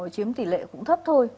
chiếm tỷ lệ cũng thấp thôi